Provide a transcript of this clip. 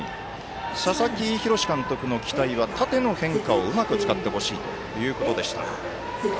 佐々木洋監督の期待は縦の変化をうまく使ってほしいということでした。